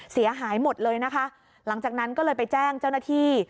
เสียหายหมดเลยนะคะหลังจากนั้นก็เลยไปแจ้งเจ้าหน้าที่